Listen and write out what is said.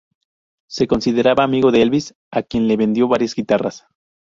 Se consideraba amigo de Elvis, a quien le vendió varias guitarras.